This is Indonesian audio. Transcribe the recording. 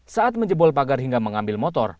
saat menjebol pagar hingga mengambil motor